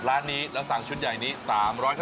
แล้วล้านนี้เราสั่งชุดใหญ่นี้๓๐๐เท่าไหร่นะ